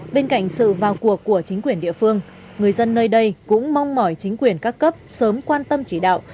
bên cạnh sự vào cuộc của chính quyền địa phương người dân nơi đây cũng mong mỏi chính quyền các cấp sớm quan tâm chỉ đạo